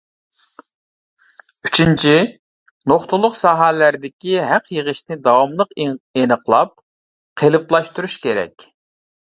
ئۈچىنچى، نۇقتىلىق ساھەلەردىكى ھەق يىغىشنى داۋاملىق ئېنىقلاپ قېلىپلاشتۇرۇش كېرەك.